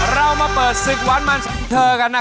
เรามาเปิดศึกวันมันเธอกันนะ